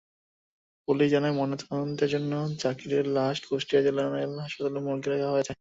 Police জানায়, ময়নাতদন্তের জন্য জাকিরের লাশ কুষ্টিয়া জেনারেল হাসপাতালের মর্গে রাখা হয়েছে।